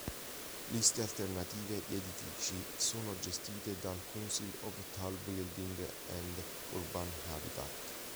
Liste alternative di edifici sono gestite dal Council on Tall Buildings and Urban Habitat.